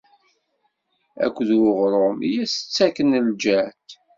Akked uɣrum i as-ittaken lǧehd.